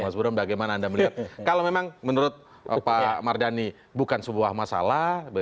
mas burhan bagaimana anda melihat kalau memang menurut pak mardhani bukan sebuah masalah